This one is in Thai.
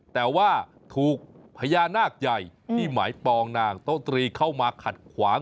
แต่ว่าถูกพญานาคใหญ่ที่หมายปองนางโต๊ตรีเข้ามาขัดขวาง